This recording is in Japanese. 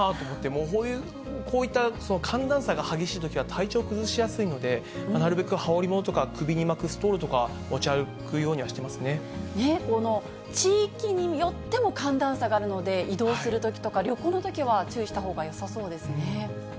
もう、こういった寒暖差が激しいときは体調崩しやすいので、なるべく羽織りものとか、首に巻くストールとか持ち歩くようにはこの地域によっても寒暖差があるので、移動するときとか、旅行のときは注意したほうがよさそうですね。